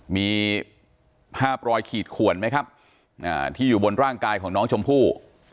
มีภาพรอยขีดขวนไหมครับที่อยู่บนร่างกายของน้องชมพู่